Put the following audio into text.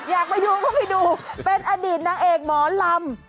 อยากไปดูก็ไปดูเป็นอดีตนางเอกหมอลำ